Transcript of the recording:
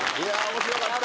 面白かった。